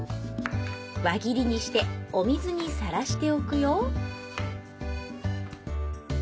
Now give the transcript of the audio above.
輪切りにしてお水にさらしておくよ